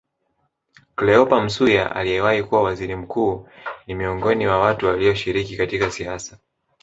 Cleopa Msuya aliyewahi kuwa Waziri Mkuu ni miongoni wa watu walioshiriki katika siasa